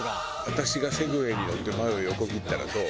私がセグウェイに乗って前を横切ったらどう？